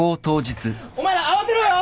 お前ら慌てろよ